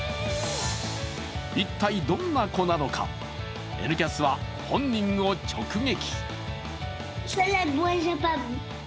一体どんな子なのか、「Ｎキャス」は本人を直撃。